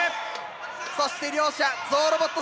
そして両者ゾウロボット